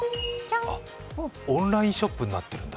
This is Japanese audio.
オンラインショップになってるんだ。